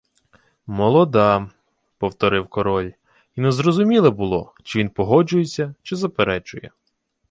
— Молода... — повторив король, і незрозуміле було, чи він погоджується, чи заперечує.